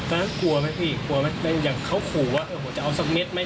ตอนนั้นกลัวไหมพี่กลัวไหมอย่างเขาขู่ว่าเออจะเอาสักเม็ดไหม